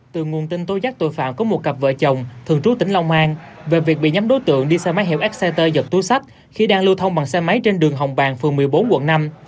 từ nguồn tin tối giác tội phạm có một cặp vợ chồng thường trú tỉnh long an về việc bị nhắm đối tượng đi xe máy hẻo exciter giật túi sách khi đang lưu thông bằng xe máy trên đường hồng bàng phường một mươi bốn quận năm